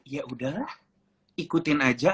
yaudah ikutin aja